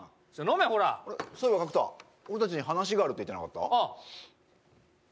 そういえば角田、俺たちに話があるって言ってなかった？